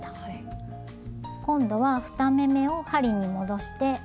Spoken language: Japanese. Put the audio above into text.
今度は２目めを針に戻して。